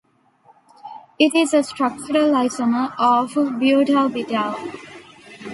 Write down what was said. It is a structural isomer of butalbital.